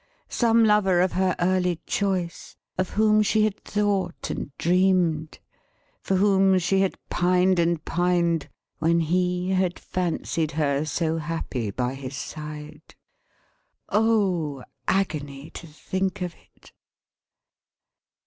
Some lover of her early choice: of whom she had thought and dreamed: for whom she had pined and pined: when he had fancied her so happy by his side. Oh agony to think of it!